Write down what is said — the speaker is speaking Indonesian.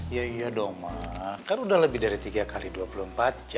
iya iya dong mah kan udah lebih dari tiga x dua puluh empat jam